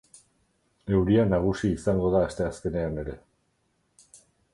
Euria nagusi izango da asteazkenean ere.